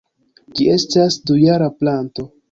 Ĝi estas dujara planto.